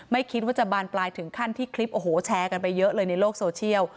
ไม่คิดว่าจะบานปลายถึงขั้นที่คลิปโอ้โหแชร์กันไปเยอะเลยในโลกโซเชียล